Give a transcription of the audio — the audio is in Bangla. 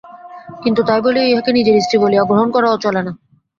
কিন্তু তাই বলিয়া ইহাকে নিজের স্ত্রী বলিয়া গ্রহণ করাও চলে না।